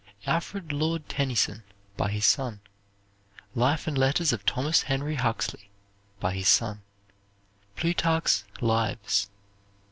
"Alfred Lord Tennyson," by his son. "Life and Letters of Thomas Henry Huxley," by his son. Plutarch's "Lives."